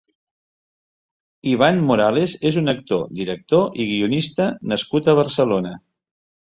Iván Morales és un actor, director i guionista nascut a Barcelona.